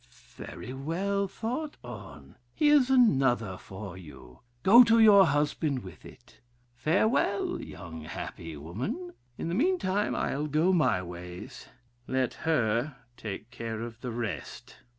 Very well thought on; here's another for you: go to your husband with it. Farewell, happy young woman. In the meantime I'll go my ways; let her take care of the rest.